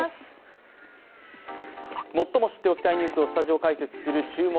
最も知っておきたいニュースをスタジオ解説する「注目！